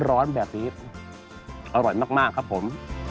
ร้อนแบบนี้อร่อยมากครับผม